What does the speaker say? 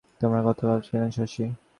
তোমার কথা ভাবছিলাম শশী।